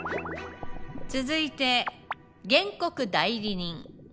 続いて原告代理人。